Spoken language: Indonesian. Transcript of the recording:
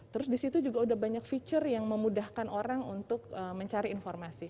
terus di situ juga udah banyak fitur yang memudahkan orang untuk mencari informasi